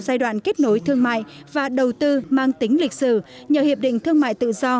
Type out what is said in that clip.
giai đoạn kết nối thương mại và đầu tư mang tính lịch sử nhờ hiệp định thương mại tự do